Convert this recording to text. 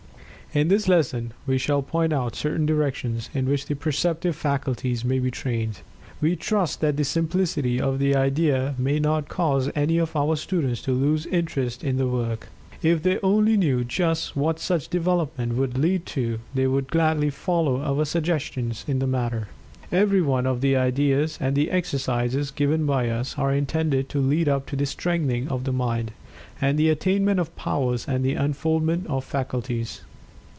In this lesson we shall point out certain directions in which the Perceptive faculties may be trained. We trust that the simplicity of the idea may not cause any of our students to lose interest in the work. If they only knew just what such development would lead to they would gladly follow our suggestions in the matter. Every one of the ideas and exercises given by us are intended to lead up to the strengthening of the Mind, and the attainment of powers and the unfoldment of faculties.